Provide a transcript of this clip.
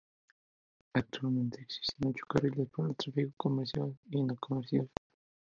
Actualmente existen ocho carriles para el tráfico comercial y no comercial.